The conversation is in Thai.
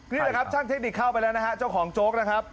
นี่แหละครับช่างเทคนิคเข้าไปแล้วนะฮะเจ้าของโจ๊กนะครับ